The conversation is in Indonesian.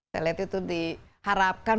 saya lihat itu diharapkan